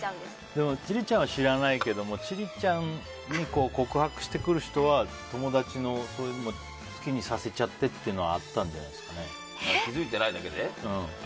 でも千里ちゃんは知らないけど千里ちゃんに告白してくる人は友達の好きにさせちゃってというのは気づいてないだけで？